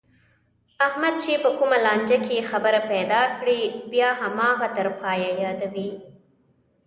احمد چې په کومه لانجه کې خبره پیدا کړي، بیا هماغه تر پایه یادوي.